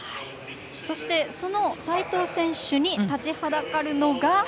そして、その齋藤選手に立ちはだかるのが。